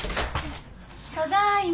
ただいま。